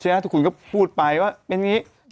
ทุกคนก็พูดไปว่าเป็นอย่างนี้